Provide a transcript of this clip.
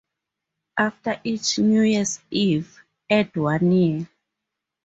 After each New Year's Eve, add one year.